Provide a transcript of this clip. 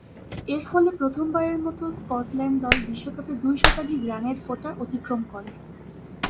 এরফলে প্রথমবারের মতো স্কটল্যান্ড দল বিশ্বকাপে দুই শতাধিক রানের কোটা অতিক্রম করে।